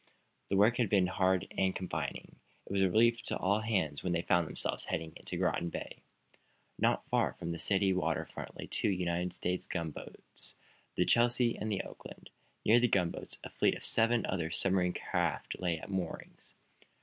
The work had been hard and confining. It was a relief to all hands when they found themselves heading into Groton Bay. Not far from the city water front lay two United States gunboats, the "Chelsea" and the "Oakland." Near the gunboats a fleet of seven other submarine craft lay at moorings.